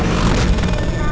ketika kita berdua berdua